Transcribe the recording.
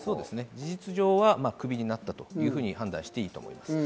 事実上、クビになったと判断していいと思います。